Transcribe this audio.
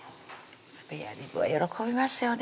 スペアリブは喜びますよね